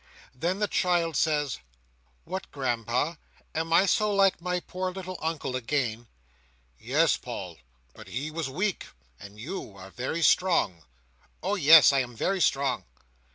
Then the child says: "What, grandpa! Am I so like my poor little Uncle again?" "Yes, Paul. But he was weak, and you are very strong." "Oh yes, I am very strong."